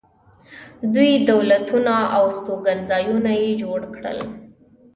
دوی دولتونه او استوګنځایونه یې جوړ کړل